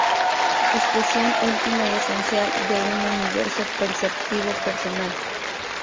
Expresión última y esencial de un universo perceptivo personal.